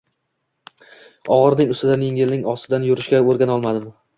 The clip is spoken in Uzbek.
Ogʼirning ustidan, yengilning ostidan yurishga oʼrganolmadim.